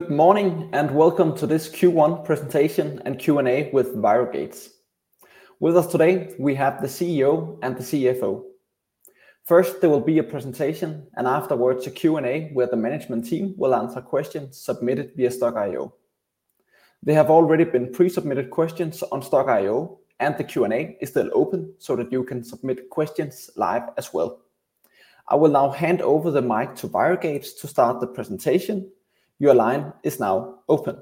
Good morning, and welcome to this Q1 presentation and Q&A with ViroGates. With us today, we have the CEO and the CFO. First, there will be a presentation, and afterwards, a Q&A, where the management team will answer questions submitted via Stokk.io. There have already been pre-submitted questions on Stokk.io, and the Q&A is still open so that you can submit questions live as well. I will now hand over the mic to ViroGates to start the presentation. Your line is now open.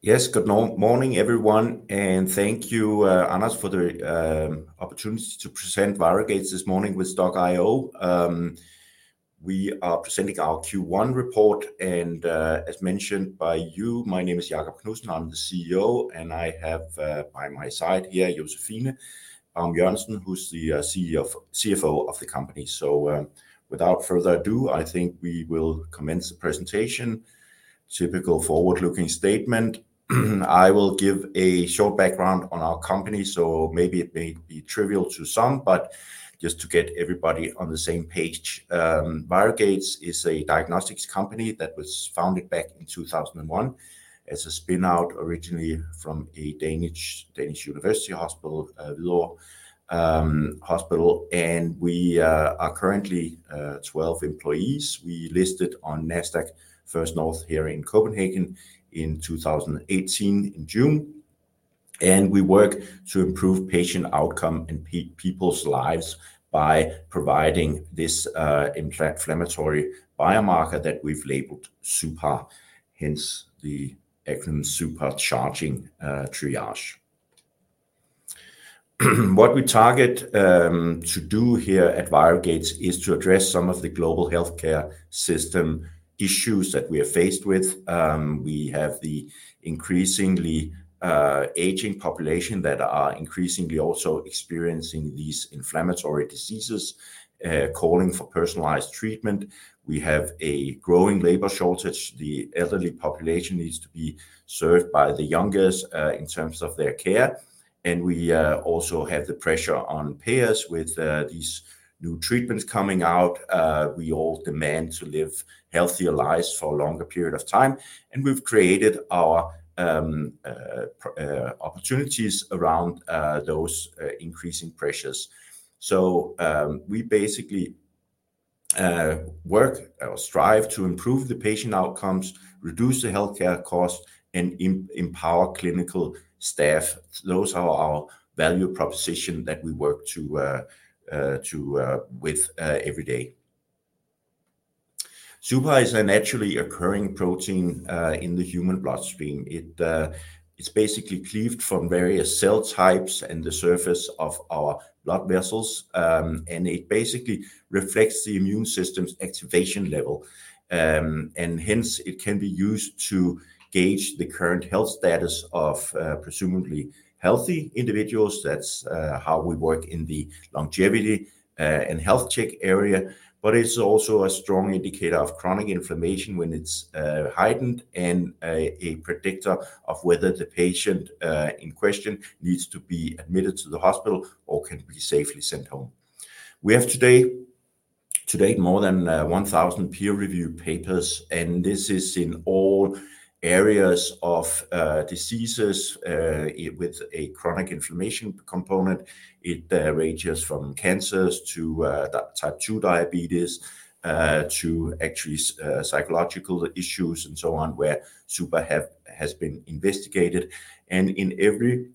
Yes, good morning, everyone, and thank you, Anas, for the opportunity to present ViroGates this morning with Stokk.io. We are presenting our Q1 report, and as mentioned by you, my name is Jakob Knudsen. I'm the CEO, and I have by my side here, Josephine Jørgensen, who's the CEO of- CFO of the company. So, without further ado, I think we will commence the presentation. Typical forward-looking statement. I will give a short background on our company, so maybe it may be trivial to some, but just to get everybody on the same page. ViroGates is a diagnostics company that was founded back in 2001. It's a spin-out originally from a Danish University Hospital, Rigshospitalet, and we are currently 12 employees. We listed on Nasdaq First North here in Copenhagen in 2018, in June, and we work to improve patient outcome and people's lives by providing this inflammatory biomarker that we've labeled suPAR, hence the acronym, suPAR Charging Triage. What we target to do here at ViroGates is to address some of the global healthcare system issues that we are faced with. We have the increasingly aging population that are increasingly also experiencing these inflammatory diseases calling for personalized treatment. We have a growing labor shortage. The elderly population needs to be served by the youngest in terms of their care, and we also have the pressure on payers with these new treatments coming out. We all demand to live healthier lives for a longer period of time, and we've created our opportunities around those increasing pressures. So, we basically work or strive to improve the patient outcomes, reduce the healthcare cost, and empower clinical staff. Those are our value proposition that we work with every day. suPAR is a naturally occurring protein in the human bloodstream. It's basically cleaved from various cell types in the surface of our blood vessels, and it basically reflects the immune system's activation level. And hence, it can be used to gauge the current health status of presumably healthy individuals. That's how we work in the longevity and health check area, but it's also a strong indicator of chronic inflammation when it's heightened and a predictor of whether the patient in question needs to be admitted to the hospital or can be safely sent home. We have today, to date, more than 1,000 peer-reviewed papers, and this is in all areas of diseases with a chronic inflammation component. It ranges from cancers to type two diabetes to actually psychological issues and so on, where suPAR has been investigated. And in every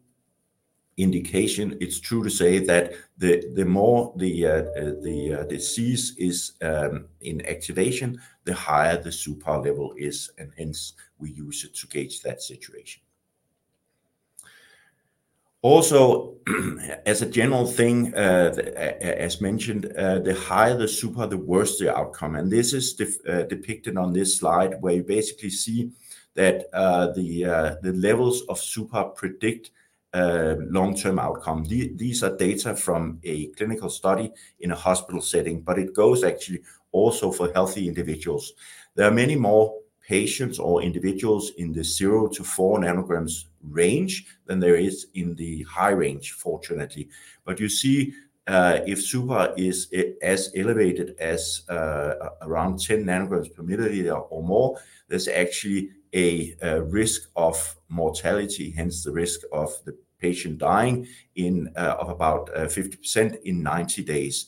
indication, it's true to say that the more the disease is in activation, the higher the suPAR level is, and hence, we use it to gauge that situation. Also, as a general thing, as mentioned, the higher the suPAR, the worse the outcome, and this is depicted on this slide, where you basically see that the levels of suPAR predict long-term outcome. These are data from a clinical study in a hospital setting, but it goes actually also for healthy individuals. There are many more patients or individuals in the 0-4 nanograms range than there is in the high range, fortunately. But you see, if suPAR is as elevated as around 10 nanograms per milliliter or more, there's actually a risk of mortality, hence the risk of the patient dying in of about 50% in 90 days.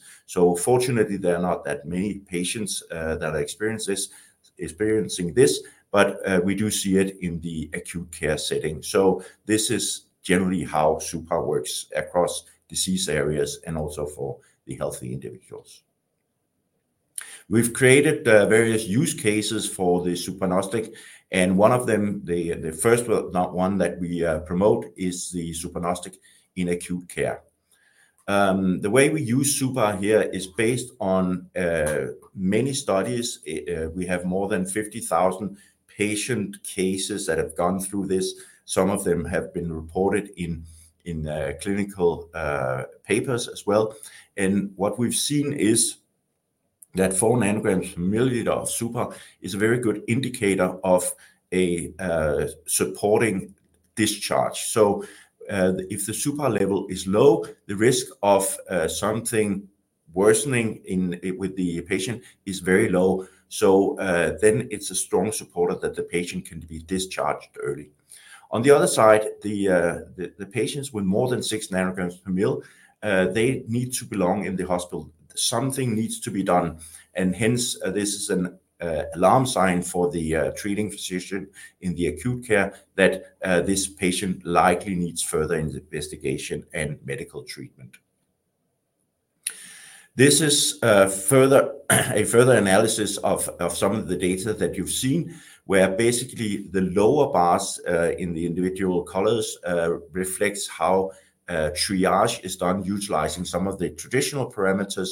Fortunately, there are not that many patients that experience this, but we do see it in the acute care setting. So this is generally how suPAR works across disease areas and also for the healthy individuals. We've created various use cases for the suPARnostic, and one of them, the first one that we promote is the suPARnostic in acute care. The way we use suPAR here is based on many studies. We have more than 50,000 patient cases that have gone through this. Some of them have been reported in clinical papers as well. And what we've seen is that four nanograms per milliliter of suPAR is a very good indicator of a supporting discharge. So, if the suPAR level is low, the risk of something worsening in with the patient is very low. So, then it's a strong supporter that the patient can be discharged early. On the other side, the patients with more than 6 nanograms per ml, they need to belong in the hospital. Something needs to be done, and hence, this is an alarm sign for the treating physician in the acute care that this patient likely needs further investigation and medical treatment. This is further, a further analysis of some of the data that you've seen, where basically the lower bars in the individual colors reflects how triage is done utilizing some of the traditional parameters.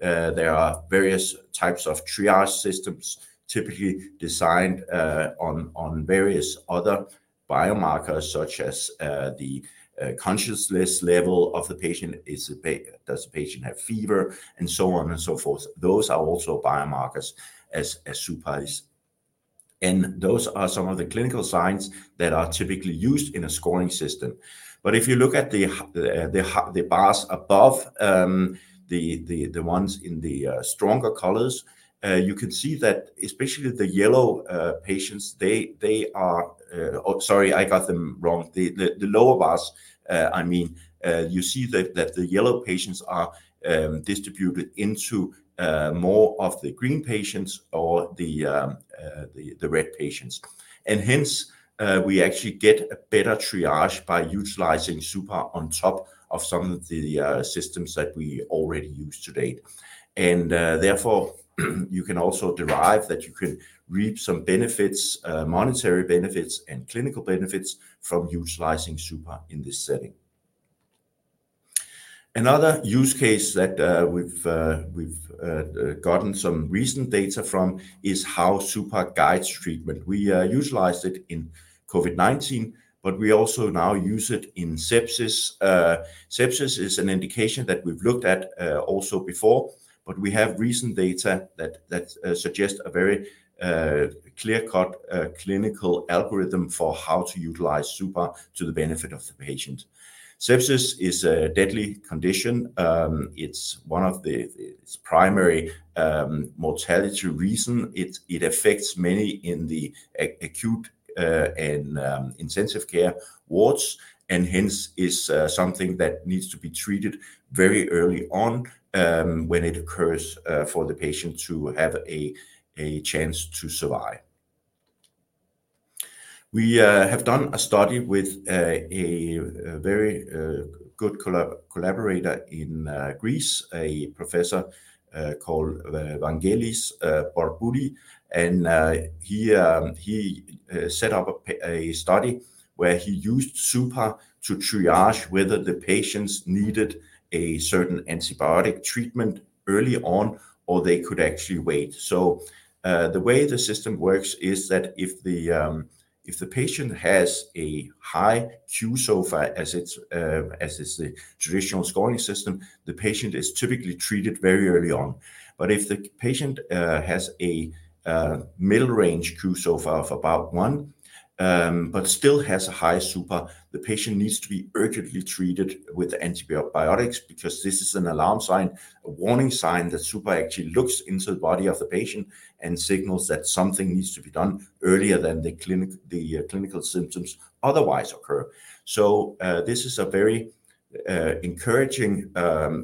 There are various types of triage systems, typically designed on various other biomarkers, such as the consciousness level of the patient. Does the patient have fever? And so on and so forth. Those are also biomarkers as suPARs, and those are some of the clinical signs that are typically used in a scoring system. But if you look at the bars above, the ones in the stronger colors, you can see that especially the yellow patients, they are... Sorry, I got them wrong. The lower bars, I mean. You see that the yellow patients are distributed into more of the green patients or the red patients. And hence, we actually get a better triage by utilizing suPAR on top of some of the systems that we already use to date. Therefore, you can also derive that you can reap some benefits, monetary benefits, and clinical benefits from utilizing suPAR in this setting. Another use case that we've gotten some recent data from is how suPAR guides treatment. We utilized it in COVID-19, but we also now use it in sepsis. Sepsis is an indication that we've looked at also before, but we have recent data that suggests a very clear-cut clinical algorithm for how to utilize suPAR to the benefit of the patient. Sepsis is a deadly condition. It's one of the primary mortality reasons. It affects many in the acute and intensive care wards, and hence is something that needs to be treated very early on, when it occurs, for the patient to have a chance to survive. We have done a study with a very good collaborator in Greece, a professor called Vangelis Papouteli. He set up a study where he used suPAR to triage whether the patients needed a certain antibiotic treatment early on, or they could actually wait. So, the way the system works is that if the patient has a high qSOFA, as it's the traditional scoring system, the patient is typically treated very early on. But if the patient has a middle range qSOFA of about one, but still has a high suPAR, the patient needs to be urgently treated with antibiotics because this is an alarm sign, a warning sign that suPAR actually looks into the body of the patient and signals that something needs to be done earlier than the clinical symptoms otherwise occur. So, this is a very encouraging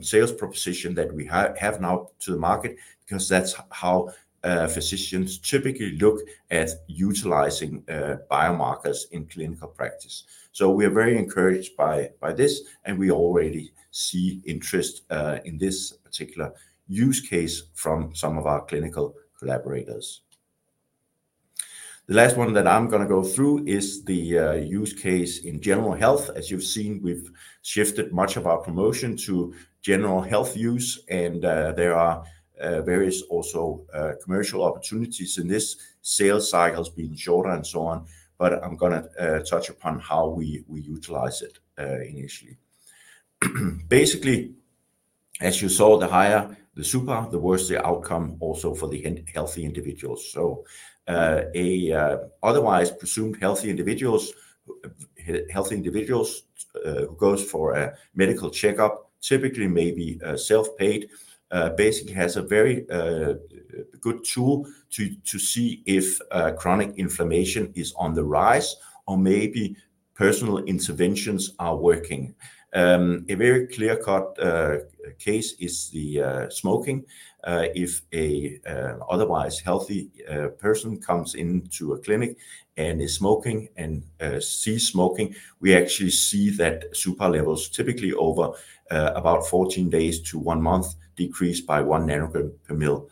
sales proposition that we have now to the market, because that's how physicians typically look at utilizing biomarkers in clinical practice. So we are very encouraged by this, and we already see interest in this particular use case from some of our clinical collaborators. The last one that I'm gonna go through is the use case in general health. As you've seen, we've shifted much of our promotion to general health use, and there are various also commercial opportunities in this sales cycle being shorter and so on. But I'm gonna touch upon how we utilize it initially. Basically, as you saw, the higher the suPAR, the worse the outcome also for the healthy individuals. So a otherwise presumed healthy individuals, healthy individuals who goes for a medical checkup, typically maybe self-paid basically has a very good tool to see if chronic inflammation is on the rise or maybe personal interventions are working. A very clear-cut case is the smoking. If a otherwise healthy person comes into a clinic and is smoking and cease smoking, we actually see that suPAR levels, typically over about 14 days to one month, decrease by one nanogram per mL.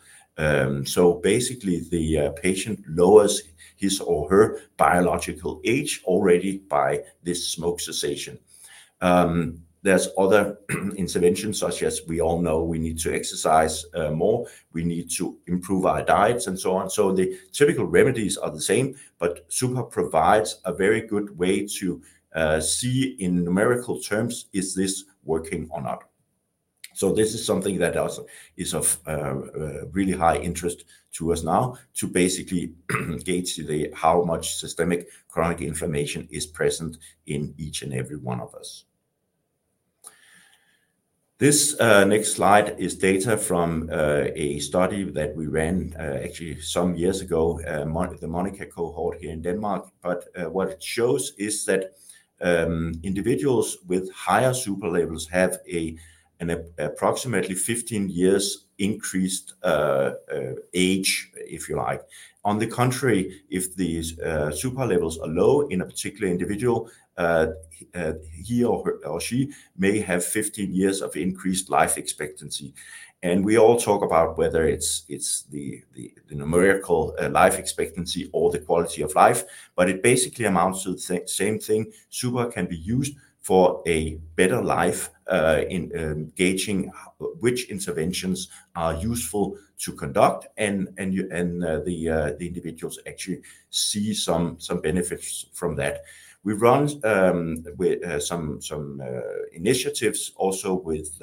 So basically, the patient lowers his or her biological age already by this smoke cessation. There's other interventions, such as we all know, we need to exercise more, we need to improve our diets, and so on. So the typical remedies are the same, but suPAR provides a very good way to see in numerical terms, is this working or not?... So this is something that also is of really high interest to us now, to basically gauge how much systemic chronic inflammation is present in each and every one of us. This next slide is data from a study that we ran, actually some years ago, the MONICA cohort here in Denmark. But what it shows is that individuals with higher suPAR levels have an approximately 15 years increased age, if you like. On the contrary, if these suPAR levels are low in a particular individual, he or she may have 15 years of increased life expectancy. And we all talk about whether it's the numerical life expectancy or the quality of life, but it basically amounts to the same thing. suPAR can be used for a better life in gauging which interventions are useful to conduct, and you and the individuals actually see some benefits from that. We've run with some initiatives also with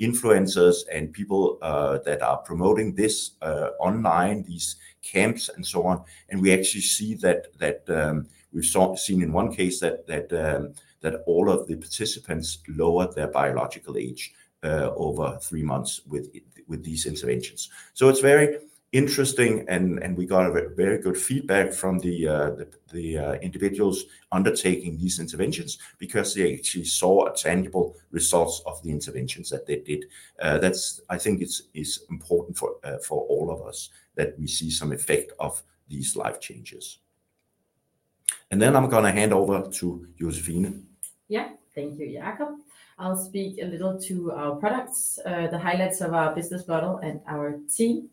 influencers and people that are promoting this online, these camps and so on. And we actually see that we've seen in one case that all of the participants lowered their biological age over three months with these interventions. So it's very interesting, and we got a very good feedback from the individuals undertaking these interventions because they actually saw a tangible results of the interventions that they did. That's. I think it's important for all of us, that we see some effect of these life changes. And then I'm gonna hand over to Josephine. Yeah. Thank you, Jakob. I'll speak a little to our products, the highlights of our business model and our team.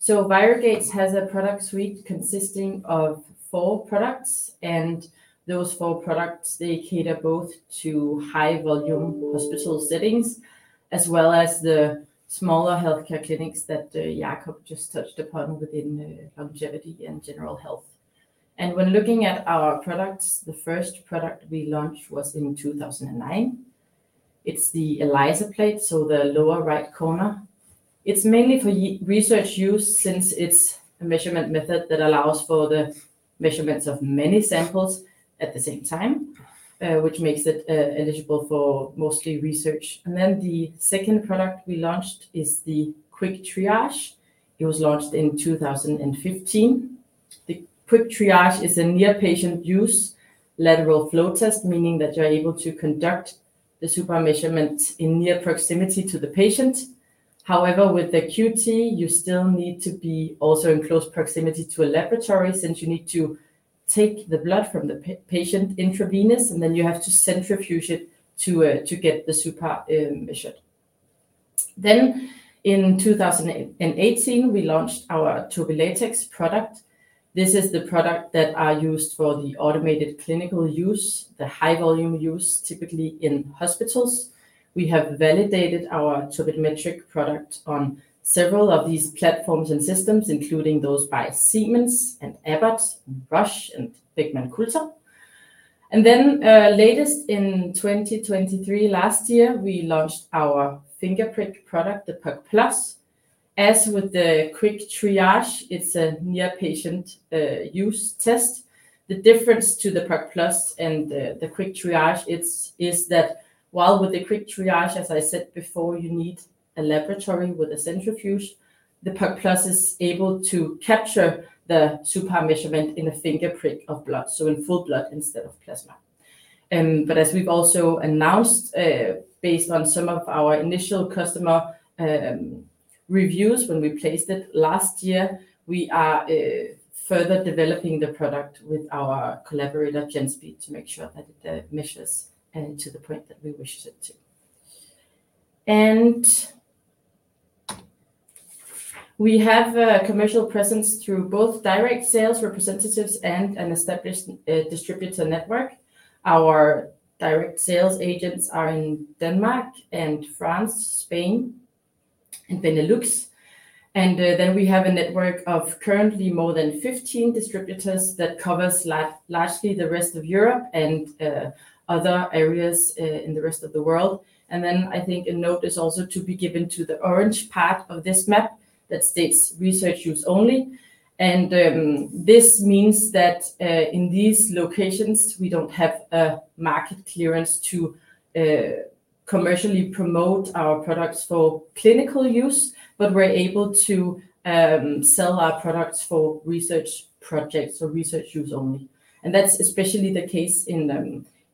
So ViroGates has a product suite consisting of four products, and those four products, they cater both to high-volume hospital settings, as well as the smaller healthcare clinics that Jacob just touched upon within longevity and general health. When looking at our products, the first product we launched was in 2009. It's the ELISA plate, so the lower right corner. It's mainly for research use, since it's a measurement method that allows for the measurements of many samples at the same time, which makes it eligible for mostly research. Then the second product we launched is the Quick Triage. It was launched in 2015. The Quick Triage is a near patient use lateral flow test, meaning that you're able to conduct the suPAR measurement in near proximity to the patient. However, with the QT, you still need to be also in close proximity to a laboratory, since you need to take the blood from the patient intravenous, and then you have to centrifuge it to get the suPAR measured. Then in 2018, we launched our TurbiLatex product. This is the product that are used for the automated clinical use, the high-volume use, typically in hospitals. We have validated our turbidimetric product on several of these platforms and systems, including those by Siemens and Abbott, and Roche, and Beckman Coulter. And then, latest in 2023, last year, we launched our finger prick product, the POC+. As with the Quick Triage, it's a near patient use test. The difference to the POC+ and the Quick Triage is that while with the Quick Triage, as I said before, you need a laboratory with a centrifuge, the POC+ is able to capture the suPAR measurement in a finger prick of blood, so in full blood instead of plasma. But as we've also announced, based on some of our initial customer reviews, when we placed it last year, we are further developing the product with our collaborator, Genspeed, to make sure that it measures to the point that we wish it to. And we have a commercial presence through both direct sales representatives and an established distributor network. Our direct sales agents are in Denmark and France, Spain, and Benelux. And, then we have a network of currently more than 15 distributors that covers largely the rest of Europe and, other areas, in the rest of the world. And then I think a note is also to be given to the orange part of this map that states, "Research use only." And, this means that, in these locations, we don't have a market clearance to, commercially promote our products for clinical use, but we're able to, sell our products for research projects or research use only. And that's especially the case in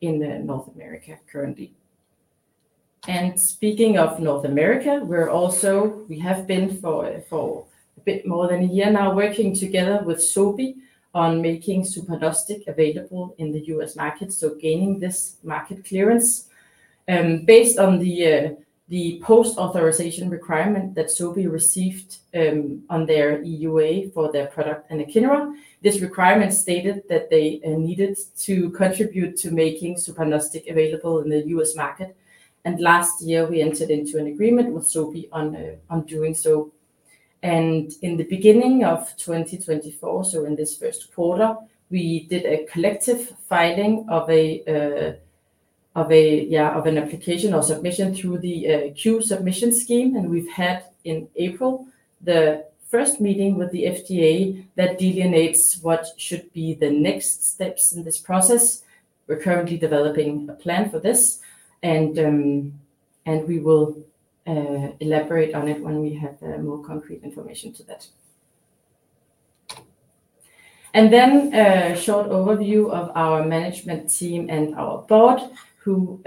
North America currently. And speaking of North America, we're also we have been for, for a bit more than a year now, working together with Sobi on making suPARnostic available in the U.S. market, so gaining this market clearance. Based on the post-authorization requirement that Sobi received on their EUA for their product, Kineret, this requirement stated that they needed to contribute to making suPARnostic available in the U.S. market. Last year, we entered into an agreement with Sobi on doing so and in the beginning of 2024, so in this first quarter, we did a collective filing of an application or submission through the Q Submission scheme. And we've had, in April, the first meeting with the FDA that delineates what should be the next steps in this process. We're currently developing a plan for this, and we will elaborate on it when we have more concrete information to that. And then, a short overview of our management team and our board, who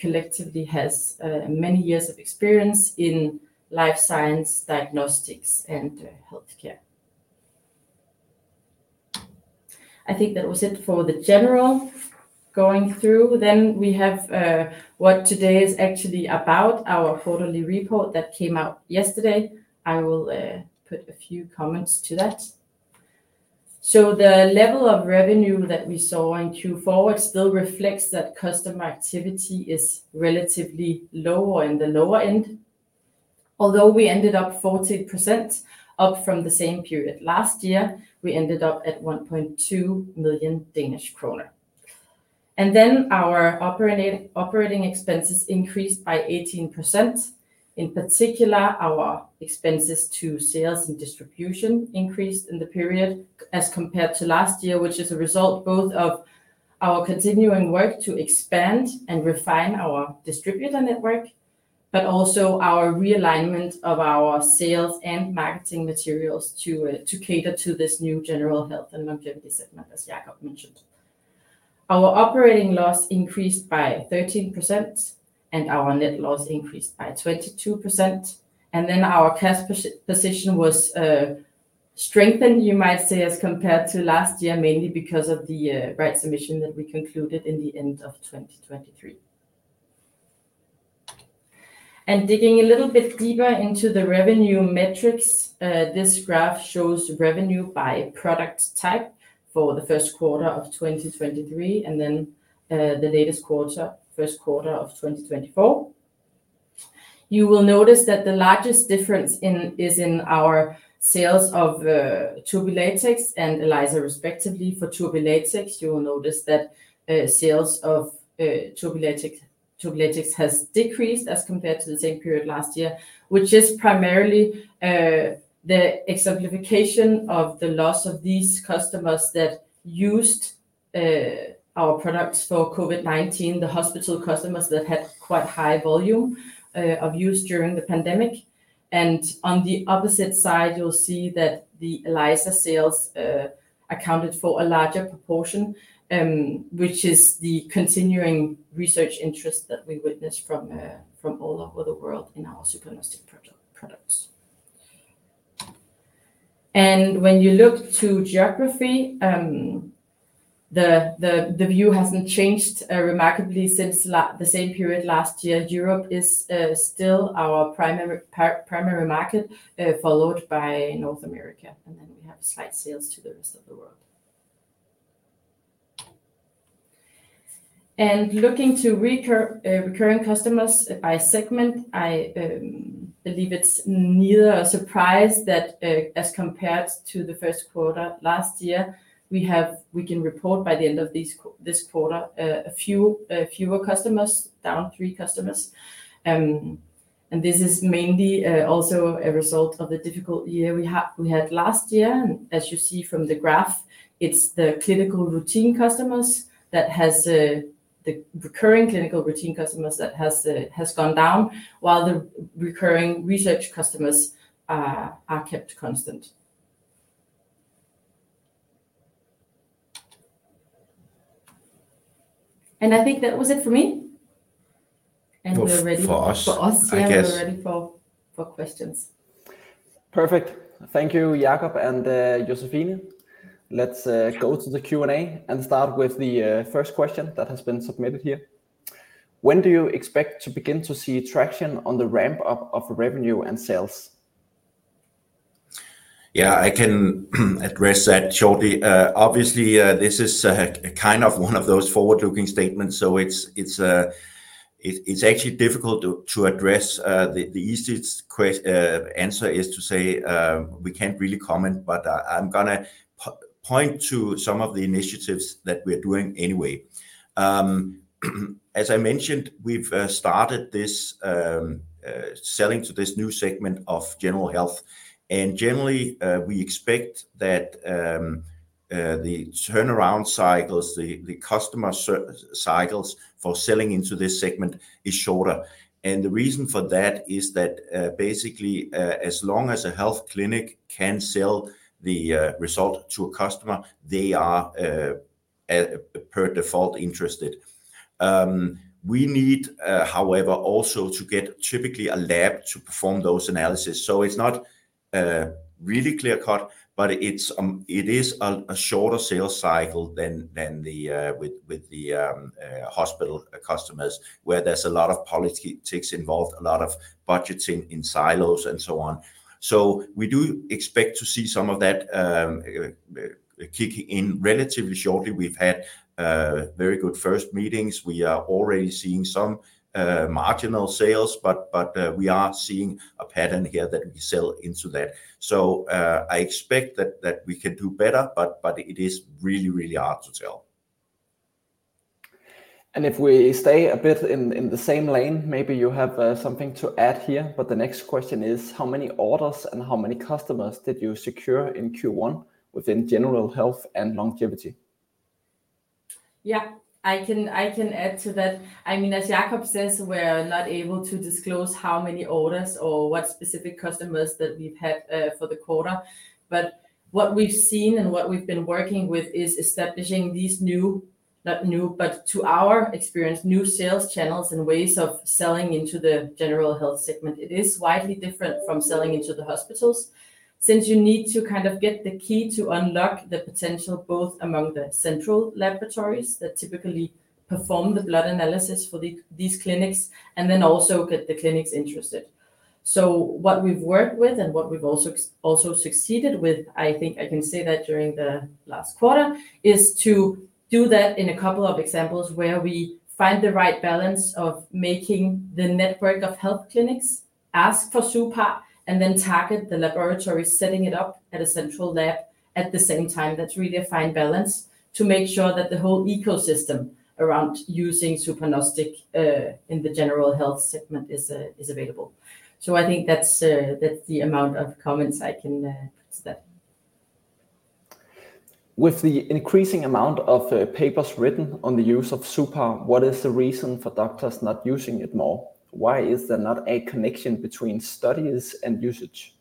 collectively has many years of experience in life science, diagnostics, and healthcare. I think that was it for the general going through. Then we have what today is actually about, our quarterly report that came out yesterday. I will put a few comments to that. So the level of revenue that we saw in Q4 still reflects that customer activity is relatively lower in the lower end, although we ended up 14% up from the same period last year, we ended up at 1.2 million Danish kroner. And then our operating expenses increased by 18%. In particular, our expenses to sales and distribution increased in the period as compared to last year, which is a result both of our continuing work to expand and refine our distributor network, but also our realignment of our sales and marketing materials to cater to this new general health and longevity segment, as Jakob mentioned. Our operating loss increased by 13%, and our net loss increased by 22%, and then our cash position was strengthened, you might say, as compared to last year, mainly because of the rights issue that we concluded in the end of 2023. Digging a little bit deeper into the revenue metrics, this graph shows revenue by product type for the first quarter of 2023, and then the latest quarter, first quarter of 2024. You will notice that the largest difference is in our sales of TurbiLatex and ELISA, respectively. For TurbiLatex, you will notice that sales of TurbiLatex has decreased as compared to the same period last year, which is primarily the exemplification of the loss of these customers that used our products for COVID-19, the hospital customers that had quite high volume of use during the pandemic. And on the opposite side, you'll see that the ELISA sales accounted for a larger proportion, which is the continuing research interest that we witnessed from all over the world in our suPARnostic products. And when you look to geography, the view hasn't changed remarkably since the same period last year. Europe is still our primary market, followed by North America, and then we have slight sales to the rest of the world. Looking to recurring customers by segment, I believe it's neither a surprise that, as compared to the first quarter last year, we can report by the end of this quarter, a few fewer customers, down 3 customers. This is mainly also a result of the difficult year we had last year. As you see from the graph, it's the clinical routine customers that has the recurring clinical routine customers that has gone down, while the recurring research customers are kept constant. I think that was it for me. We're ready- For us, I guess. For us. Yeah, we're ready for questions. Perfect. Thank you, Jakob and Josephine. Let's go to the Q&A and start with the first question that has been submitted here. When do you expect to begin to see traction on the ramp-up of revenue and sales? Yeah, I can address that shortly. Obviously, this is kind of one of those forward-looking statements, so it's actually difficult to address. The easiest answer is to say, we can't really comment, but, I'm gonna point to some of the initiatives that we're doing anyway. As I mentioned, we've started this selling to this new segment of general health. And generally, we expect that the turnaround cycles, the customer cycles for selling into this segment is shorter. And the reason for that is that, basically, as long as a health clinic can sell the result to a customer, they are per default interested. We need, however, also to get typically a lab to perform those analysis. So it's not really clear cut, but it is a shorter sales cycle than with the hospital customers, where there's a lot of politics involved, a lot of budgeting in silos and so on. So we do expect to see some of that kick in relatively shortly. We've had very good first meetings. We are already seeing some marginal sales, but we are seeing a pattern here that we sell into that. So I expect that we can do better, but it is really, really hard to tell.... If we stay a bit in the same lane, maybe you have something to add here, but the next question is: how many orders and how many customers did you secure in Q1 within general health and longevity? Yeah, I can, I can add to that. I mean, as Jakob says, we're not able to disclose how many orders or what specific customers that we've had for the quarter. But what we've seen and what we've been working with is establishing these new... not new, but to our experience, new sales channels and ways of selling into the general health segment. It is widely different from selling into the hospitals, since you need to kind of get the key to unlock the potential, both among the central laboratories that typically perform the blood analysis for these clinics, and then also get the clinics interested. So what we've worked with, and what we've also, also succeeded with, I think I can say that during the last quarter, is to do that in a couple of examples where we find the right balance of making the network of health clinics ask for suPAR, and then target the laboratory, setting it up at a central lab at the same time. That's really a fine balance to make sure that the whole ecosystem around using suPARnostic in the general health segment is available. So I think that's the amount of comments I can put to that. With the increasing amount of papers written on the use of suPAR, what is the reason for doctors not using it more? Why is there not a connection between studies and usage?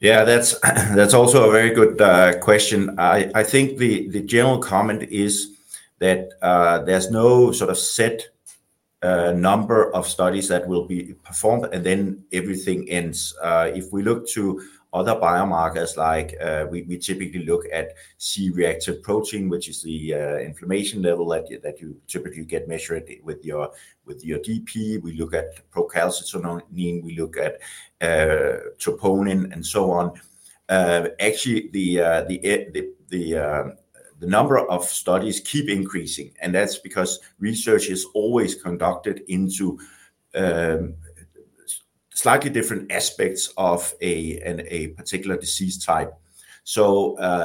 Yeah, that's also a very good question. I think the general comment is that there's no sort of set number of studies that will be performed, and then everything ends. If we look to other biomarkers, like we typically look at C-reactive protein, which is the inflammation level that you typically get measured with your GP. We look at procalcitonin, we look at troponin, and so on. Actually, the number of studies keep increasing, and that's because research is always conducted into slightly different aspects of a particular disease type. So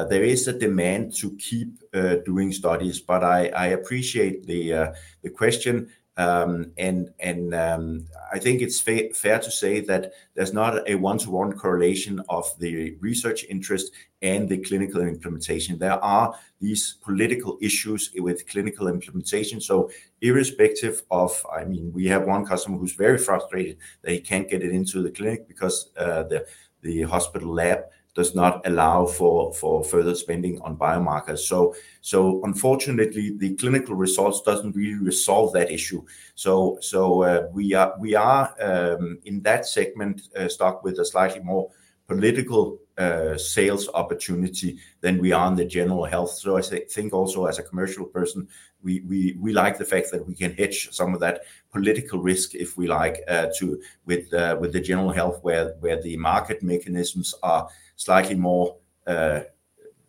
there is a demand to keep doing studies, but I appreciate the question. I think it's fair to say that there's not a one-to-one correlation of the research interest and the clinical implementation. There are these political issues with clinical implementation. So irrespective of... I mean, we have one customer who's very frustrated that he can't get it into the clinic because the hospital lab does not allow for further spending on biomarkers. So unfortunately, the clinical results doesn't really resolve that issue. So we are in that segment stuck with a slightly more political sales opportunity than we are in the general health. So I think also as a commercial person, we like the fact that we can hedge some of that political risk, if we like, to with with the general health, where where the market mechanisms are slightly more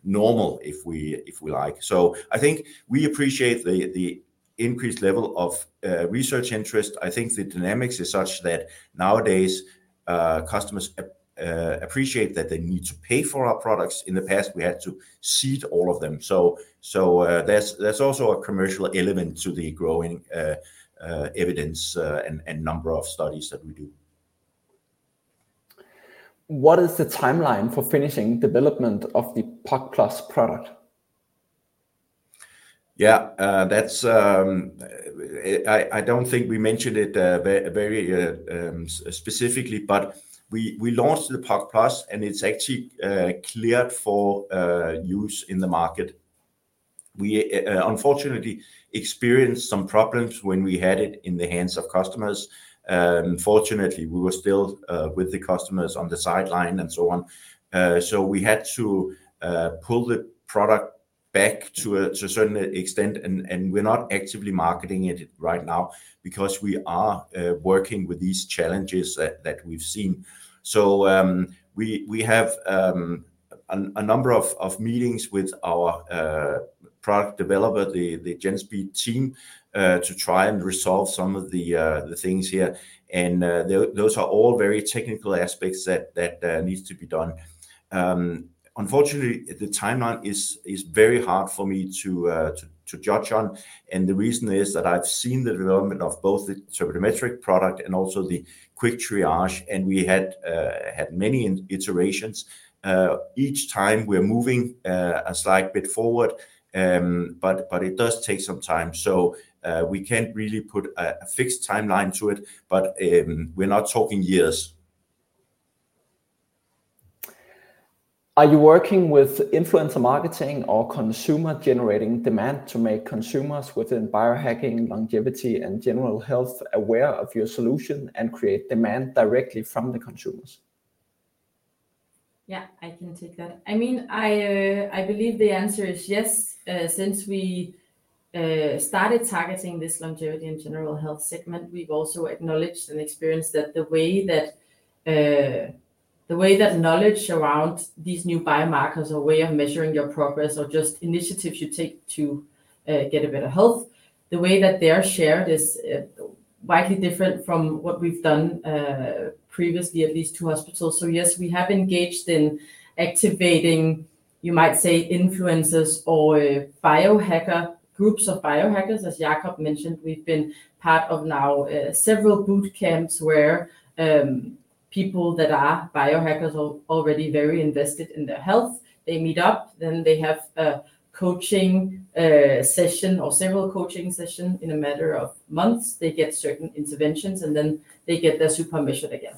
normal, if we if we like. So I think we appreciate the the increased level of research interest. I think the dynamics is such that nowadays customers appreciate that they need to pay for our products. In the past, we had to seed all of them. So so there's there's also a commercial element to the growing evidence and and number of studies that we do. What is the timeline for finishing development of the POC+ product? Yeah, that's... I don't think we mentioned it very specifically, but we launched the POC+, and it's actually cleared for use in the market. We unfortunately experienced some problems when we had it in the hands of customers. Fortunately, we were still with the customers on the sideline and so on. So we had to pull the product back to a certain extent, and we're not actively marketing it right now because we are working with these challenges that we've seen. So we have a number of meetings with our product developer, the Genspeed team, to try and resolve some of the things here. And those are all very technical aspects that needs to be done. Unfortunately, the timeline is very hard for me to judge on, and the reason is that I've seen the development of both the turbidimetric product and also the quick triage, and we had many iterations. Each time we're moving a slight bit forward, but it does take some time. So, we can't really put a fixed timeline to it, but we're not talking years. Are you working with influencer marketing or consumer-generating demand to make consumers within biohacking, longevity, and general health aware of your solution and create demand directly from the consumers? Yeah, I can take that. I mean, I believe the answer is yes. Since we started targeting this longevity and general health segment, we've also acknowledged and experienced that the way that the way that knowledge around these new biomarkers or way of measuring your progress or just initiatives you take to get a better health, the way that they are shared is widely different from what we've done previously, at least to hospitals. So yes, we have engaged in activating, you might say, influencers or biohacker, groups of biohackers. As Jakob mentioned, we've been part of now several boot camps where people that are biohackers are already very invested in their health. They meet up, then they have a coaching session or several coaching sessions in a matter of months. They get certain interventions, and then they get their suPAR measured again.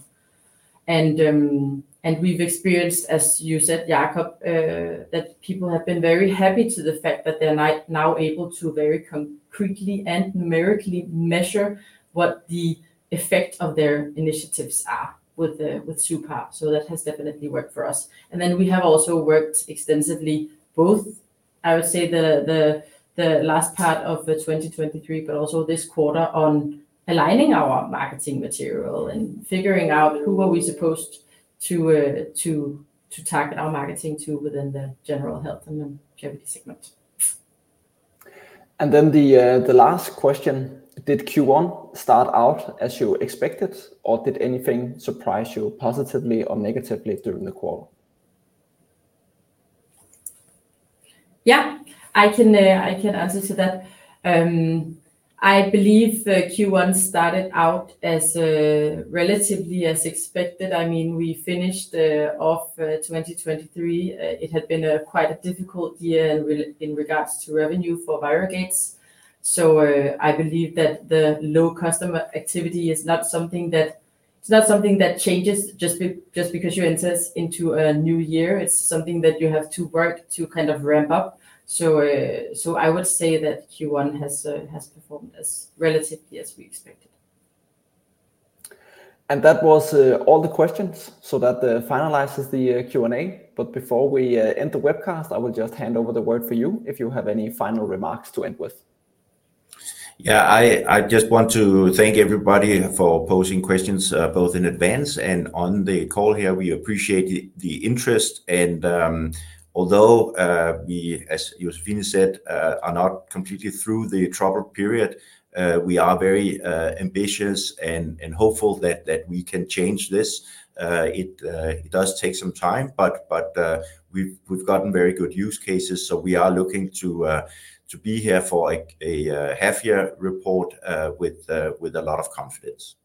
We've experienced, as you said, Jakob, that people have been very happy to the fact that they're now able to very concretely and numerically measure what the effect of their initiatives are with the suPAR. So that has definitely worked for us. Then we have also worked extensively, both, I would say, the last part of 2023, but also this quarter on aligning our marketing material and figuring out who are we supposed to to target our marketing to within the general health and then longevity segments. And then the last question, did Q1 start out as you expected, or did anything surprise you positively or negatively during the quarter? Yeah, I can answer to that. I believe the Q1 started out as relatively as expected. I mean, we finished off 2023. It had been a quite difficult year in regards to revenue for ViroGates. So, I would say that Q1 has performed as relatively as we expected. That was all the questions, so that finalizes the Q&A. But before we end the webcast, I will just hand over the word for you, if you have any final remarks to end with. Yeah, I, I just want to thank everybody for posing questions, both in advance and on the call here. We appreciate the interest and, although we, as Josephine said, are not completely through the troubled period, we are very ambitious and hopeful that we can change this. It does take some time, but we've gotten very good use cases, so we are looking to be here for, like, a half-year report, with a lot of confidence.